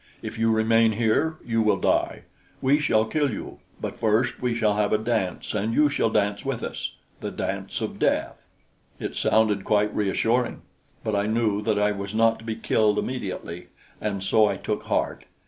If you remain here, you will die. We shall kill you; but first we shall have a dance and you shall dance with us the dance of death." It sounded quite reassuring! But I knew that I was not to be killed immediately, and so I took heart.